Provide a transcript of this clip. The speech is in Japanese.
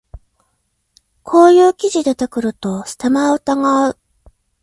こういう記事出てくるとステマを疑う